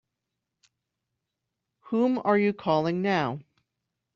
Whom are you calling now?